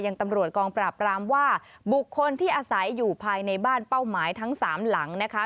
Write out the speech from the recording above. ยังตำรวจกองปราบรามว่าบุคคลที่อาศัยอยู่ภายในบ้านเป้าหมายทั้งสามหลังนะคะ